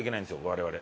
我々。